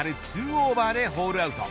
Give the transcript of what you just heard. ２オーバーでホールアウト。